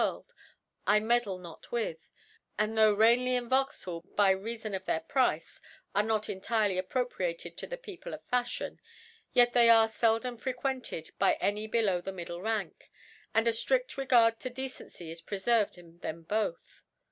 * World, ( 19 ) World, I meddle not with^ And though Ranelagb and Vauxbally by reafon of their Price, are not entirely appropriated to the People of FaQiion, yet they are feldom fre quented by any below the middle Rank ; and a drift Regard to Decency is preferved in them both.